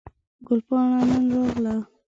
ګل پاڼه نن راغله